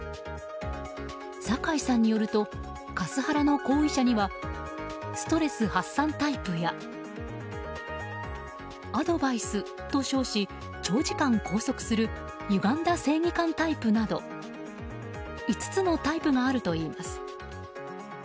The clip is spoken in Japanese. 酒井さんによるとカスハラの行為者にはストレス発散タイプやアドバイスと称し長時間拘束するゆがんだ正義感タイプなど５つのタイプがあるといいます。